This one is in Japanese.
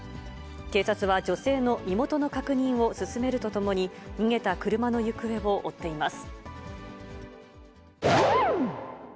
警察は女性の身元の確認を進めるとともに、逃げた車の行方を追っています。